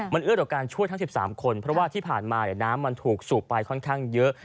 มันเอื้อต่อการช่วยทั้ง๑๓คนเพราะว่าที่ผ่านมาน้ำมันถูกสูบไปค่อนข้างเยอะ